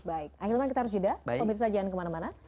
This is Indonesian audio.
akhirnya kita harus jeda